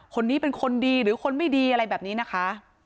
คนนี้เป็นคนดีหรือคนไม่ดีอะไรแบบนี้นะคะ